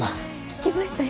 聞きました？